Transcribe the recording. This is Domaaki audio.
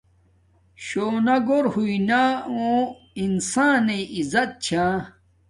شونا گھور ہویانگو انسانݵ عزت چھی